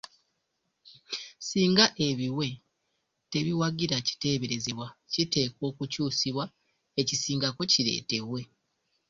Singa ebiwe tebiwagira kiteeberezebwa, kiteekwa okukyusibwa ekisingako kireetebwe.